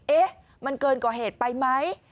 เอ๊ะมันเกินกว่าเหตุไปไหม